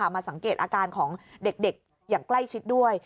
มาสังเกตอาการของเด็กอย่างใกล้ชิดด้วย